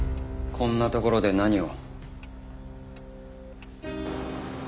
こんな所で何を？